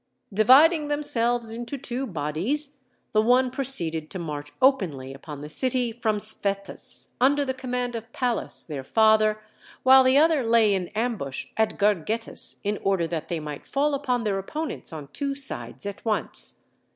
Dividing themselves into two bodies, the one proceeded to march openly upon the city from Sphettus, under the command of Pallas their father, while the other lay in ambush at Gargettus, in order that they might fall upon their opponents on two sides at once.